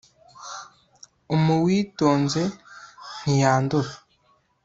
umuwitonze ntiyandura